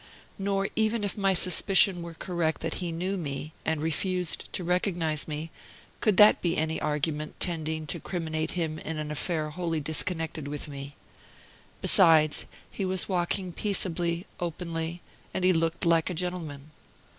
Nor even if my suspicion were correct that he knew me, and refused to recognize me, could that be any argument tending to criminate him in an affair wholly disconnected with me. Besides, he was walking peaceably, openly, and he looked like a gentleman.